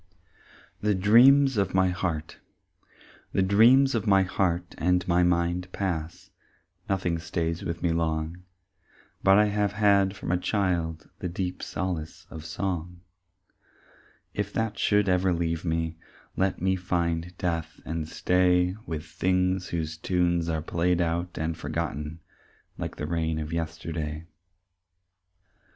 "The Dreams of My Heart" The dreams of my heart and my mind pass, Nothing stays with me long, But I have had from a child The deep solace of song; If that should ever leave me, Let me find death and stay With things whose tunes are played out and forgotten Like the rain of yesterday.